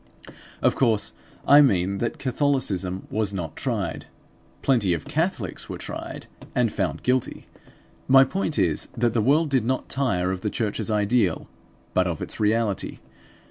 Of course, I mean that Catholicism was not tried; plenty of Catholics were tried, and found guilty. My point is that the world did not tire of the church's ideal, but of its reality.